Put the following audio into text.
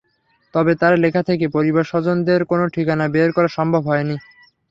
তবে তাঁর লেখা থেকে পরিবার-স্বজনদের কোনো ঠিকানা বের করা সম্ভব হয়নি।